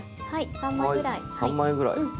３枚ぐらい。